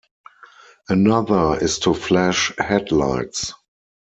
Another is to flash headlights.